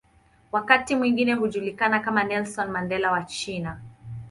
Wakati mwingine hujulikana kama "Nelson Mandela wa China".